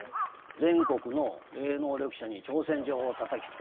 全国の霊能力者に挑戦状を叩きつけたんだよ。